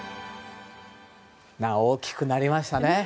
大きくなりましたね。